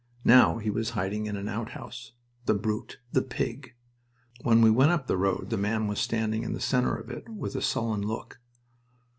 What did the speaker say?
Now he was hiding in an outhouse. The brute! The pig! When we went up the road the man was standing in the center of it, with a sullen look.